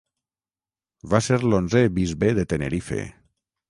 Va ser l'onzè bisbe de Tenerife.